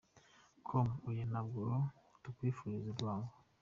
com : Oya ntabwo tukwifuriza urwango !.